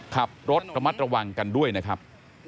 ขับรถระมัดระวังกันด้วยนะครับ